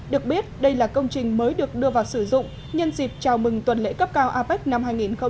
được biết đây là công trình mới được đưa vào sử dụng nhân dịp chào mừng tuần lễ cấp cao apec năm hai nghìn hai mươi